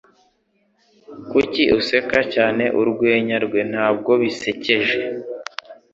Kuki useka cyane urwenya rwe? Ntabwo basekeje.